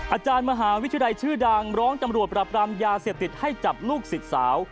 อาจารย์มหาวิทยาลัยชื่อดังร้องตำรวจปรับรามยาเสพติดให้จับลูกศิษย์สาว